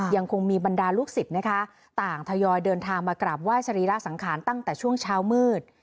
ยังคงมีบรรดาลูกศิษย์นะคะต่างทยอยเดินทางมากราบไหว้สรีระสังขารตั้งแต่ช่วงเช้ามืด